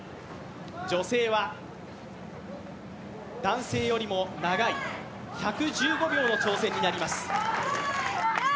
女性は男性よりも長い、１１５秒の挑戦になります。